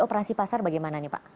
operasi pasar bagaimana pak